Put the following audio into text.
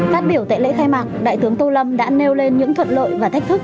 phát biểu tại lễ khai mạc đại tướng tô lâm đã nêu lên những thuận lợi và thách thức